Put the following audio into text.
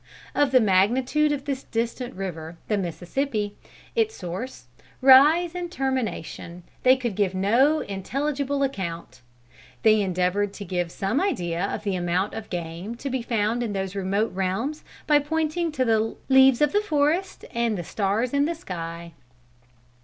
Of the magnitude of this distant river, the Mississippi, its source, rise and termination, they could give no intelligible account. They endeavored to give some idea of the amount of game to be found in those remote realms, by pointing to the leaves of the forest and the stars in the sky.